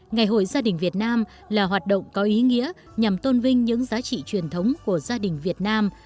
ngày hội gia đình việt nam là hoạt động có ý nghĩa nhằm tôn vinh những giá trị truyền thống của gia đình việt nam